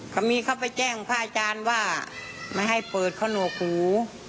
ก็มีเขาไปแจ้งพระอาจารย์ว่าไม่ให้เปิดขนวกหู